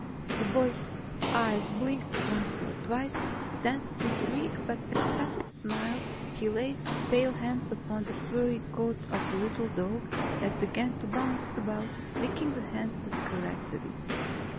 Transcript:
The boy's eyes blinked once or twice; then with a weak but ecstatic smile he laid a pale hand upon the furry coat of the little dog that began to bounce about, licking the hand that caressed it.